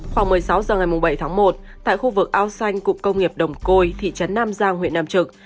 khoảng một mươi sáu h ngày bảy tháng một tại khu vực ao xanh cụm công nghiệp đồng côi thị trấn nam giang huyện nam trực